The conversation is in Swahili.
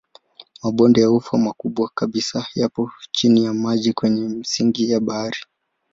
Mabonde ya ufa makubwa kabisa yapo chini ya maji kwenye misingi ya bahari.